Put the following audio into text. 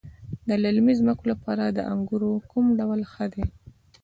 د للمي ځمکو لپاره د انګورو کوم ډول ښه دی؟